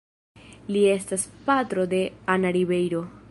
Li estas patro de Ana Ribeiro.